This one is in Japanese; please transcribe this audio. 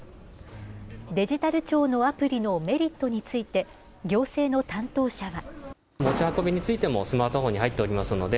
デジタル庁のアプリのメリットについて、行政の担当者は。